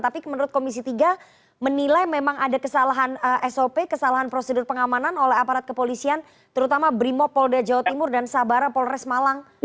tapi menurut komisi tiga menilai memang ada kesalahan sop kesalahan prosedur pengamanan oleh aparat kepolisian terutama brimopolda jawa timur dan sabara polres malang